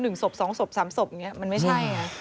หนึ่งศพสองศพสามศพอย่างนี้มันไม่ใช่